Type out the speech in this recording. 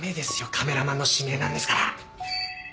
カメラマンの指名なんですから。